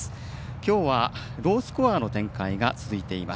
きょうは、ロースコアの展開が続いています。